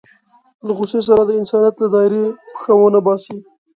له غوسې سره د انسانيت له دایرې پښه ونه باسي.